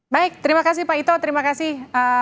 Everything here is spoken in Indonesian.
baik terima kasih pak ito terima kasih